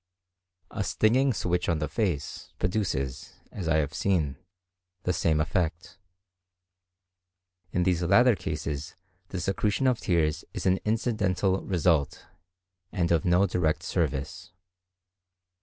A stinging switch on the face produces, as I have seen, the same effect. In these latter cases the secretion of tears is an incidental result, and of no direct service.